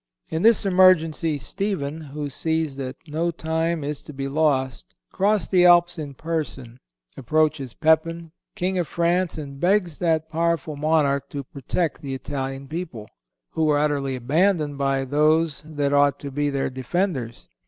In this emergency Stephen, who sees that no time is to be lost, crosses the Alps in person, approaches Pepin, King of France, and begs that powerful monarch to protect the Italian people, who were utterly abandoned by those that ought to be their defenders.